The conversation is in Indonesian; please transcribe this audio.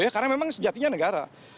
karena memang sejatinya negara